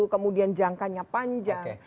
kemudian jangkanya panjang